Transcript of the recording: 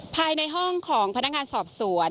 ภายในห้องของพนักงานสอบสวน